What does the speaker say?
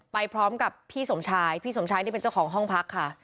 ไปพร้อมกับพี่สมชายพี่สมชายนี่เป็นเจ้าของห้องพักค่ะ